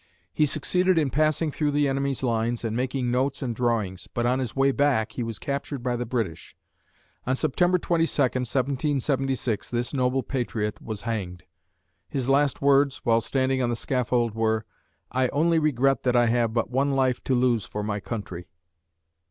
He succeeded in passing through the enemy's lines and making notes and drawings, but on his way back, he was captured by the British. On Sept. 22, 1776, this noble patriot was hanged. His last words, while standing on the scaffold, were, "I only regret that I have but one life to lose for my country."